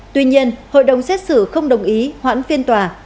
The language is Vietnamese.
tuy nhiên hội đồng xét xử không đồng ý hoãn phiên tòa